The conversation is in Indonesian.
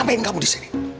apa yang kamu disini